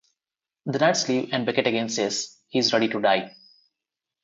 The knights leave and Becket again says he is ready to die.